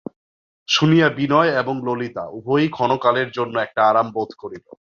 শুনিয়া বিনয় এবং ললিতা উভয়েই ক্ষণকালের জন্য একটা আরাম বোধ করিল।